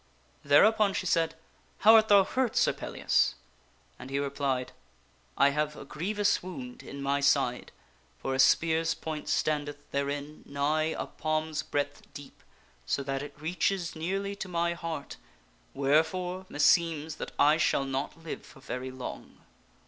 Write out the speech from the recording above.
Thereupon she said, " How art thou hurt, Sir Pellias?" And he replied, " I have a grievous wound in my side, for a spear's point standeth therein nigh a palm's breadth deep so that it reaches nearly to my heart, wherefore, meseems that I shall not live for very long."